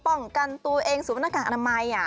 ป้องกันตัวเองสวมหน้ากากอนามัย